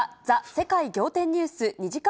世界仰天ニュース２時間